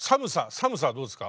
寒さはどうですか？